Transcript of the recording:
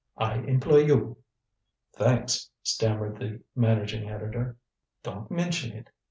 I employ you." "Thanks," stammered the managing editor. "Don't mention it.